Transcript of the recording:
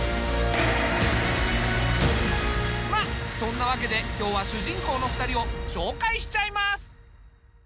まあそんなわけで今日は主人公の２人を紹介しちゃいます。